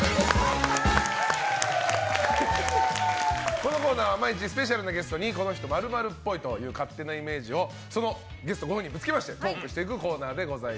このコーナーは、毎日スペシャルなゲストにこの人○○っぽいという勝手なイメージをゲストご本人にぶつけましてトークしていこうというコーナーです。